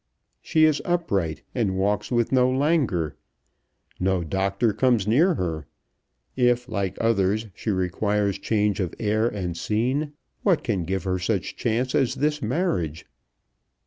She is upright, and walks with no languor. No doctor comes near her. If like others she requires change of air and scene, what can give her such chance as this marriage?